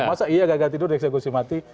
masa iya gagal tidur dieksekusi mati